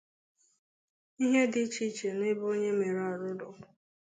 ihe dị iche dị n'ebe onye mere arụ nọ